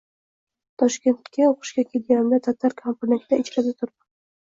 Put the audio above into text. Toshkentga o’qishga kelganimda tatar kampirnikida ijarada turdim.